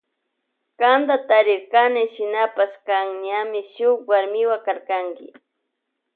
Kanta tarirkani shinapash kan ñami shuk warmiwa karkanki.